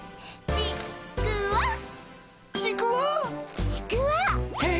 ちくわっ！？